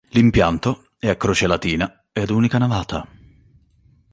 L'impianto è a croce latina e ad unica navata.